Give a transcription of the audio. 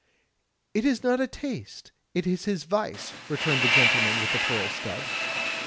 "It is not a taste, it is his vice," returned the gentleman with the pearl stud.